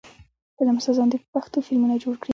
فلمسازان دې په پښتو فلمونه جوړ کړي.